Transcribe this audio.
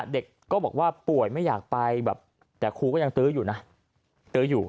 เด็กก็บอกว่าป่วยไม่อยากไปแบบแต่ครูก็ยังตื้ออยู่นะตื้ออยู่